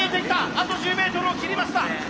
あと１０メートルを切りました。